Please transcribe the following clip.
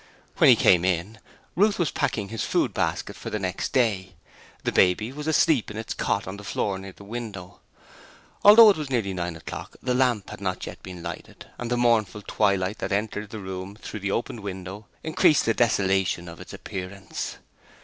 When he came in, Ruth was packing his food basket for the next day. The baby was asleep in its cot on the floor near the window. Although it was nearly nine o'clock the lamp had not yet been lighted and the mournful twilight that entered the room through the open window increased the desolation of its appearance.